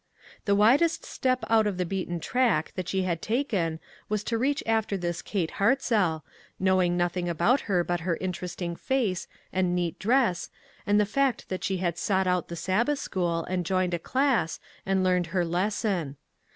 The widest step out of the beaten track that she had taken was to reach after this Kate Hartzell, knowing nothing about her but her interesting face, and neat dress, 164 ONE COMMONPLACE DAY. and the fact that she had sought out the Sabbath school, and joined a class, and learned her lesson.